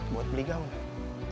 buat beli gaun gak